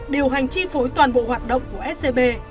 điều hành chi phối toàn bộ hoạt động của scb